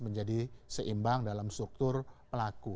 menjadi seimbang dalam struktur pelaku